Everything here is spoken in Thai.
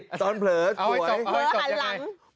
ชั้นถิดตอนเผลอสวยเอาให้จบยังไง